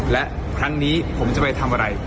และครั้งนี้ผมจะไปทำอะไร